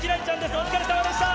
お疲れさまでした。